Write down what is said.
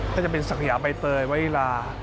ก็จะเป็นศักยาใบเตยไว้ลา